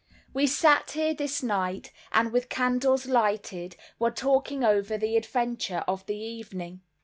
We sat here this night, and with candles lighted, were talking over the adventure of the evening.